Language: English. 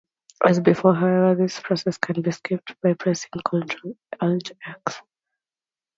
As before, however, this process can be skipped by pressing Ctrl-Alt-X.